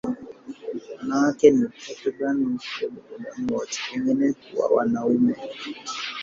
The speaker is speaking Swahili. Wanawake ni takriban nusu ya binadamu wote, wengine huwa wanaume.